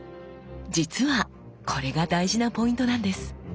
実はこれが大事なポイントなんです。